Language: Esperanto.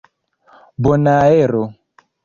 bonaero